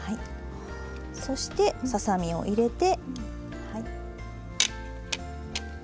そしてささ身を入れて。